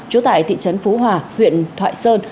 chú tại thị trấn phú hòa huyện thoại sơn